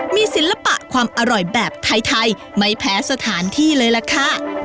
มีศิลปะความอร่อยแบบไทยไม่แพ้สถานที่เลยล่ะค่ะ